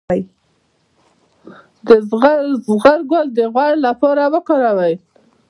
د زغر ګل د غوړ لپاره وکاروئ